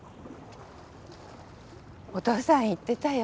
お父さん言ってたよ。